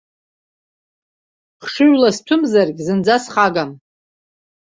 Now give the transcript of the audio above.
Хшыҩла сҭәымзаргь зынӡа схагам.